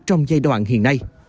trong giai đoạn hiện nay